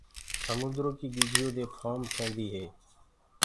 سموندرو ڪي ڳِجھيِو دي ڦوم ٽيندي هي۔